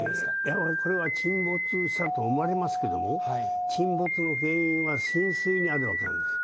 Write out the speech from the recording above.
やはりこれは沈没したと思われますけれども、沈没の原因は浸水にあるわけなんです。